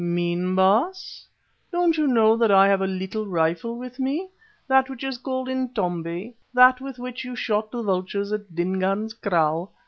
"Mean, Baas? Don't you know that I have the little rifle with me, that which is called Intombi, that with which you shot the vultures at Dingaan's kraal?